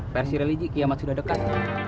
versi religi kiamat sudah dekat